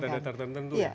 untuk data tertentu ya